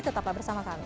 tetap bersama kami